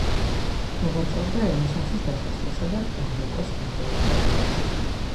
მოღვაწეობდა რენესანსის დასასრულსა და ბაროკოს ადრეულ პერიოდში.